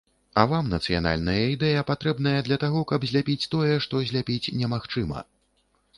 А вам нацыянальная ідэя патрэбная для таго, каб зляпіць тое, што зляпіць немагчыма.